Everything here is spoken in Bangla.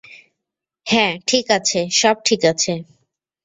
হ্যা - ঠিক আছে, সব ঠিক আছে।